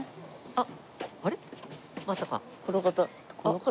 あっ！